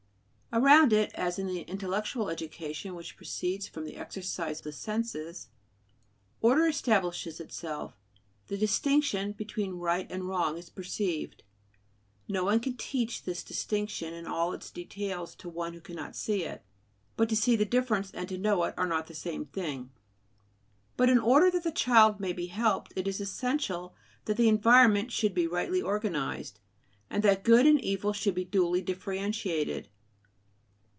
Around it, as in the intellectual education which proceeds from the exercise of the senses, order establishes itself: the distinction between right and wrong is perceived. No one can teach this distinction in all its details to one who cannot see it. But to see the difference and to know it are not the same thing. But in order that "the child may be helped" it is essential that the environment should be rightly organized, and that good and evil should be duly differentiated.